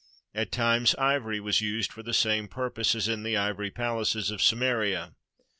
At times ivory was used for the same purpose, as in the ivory palaces of Samaria.